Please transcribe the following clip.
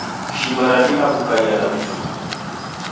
Shimba radima kukaia na vichuku.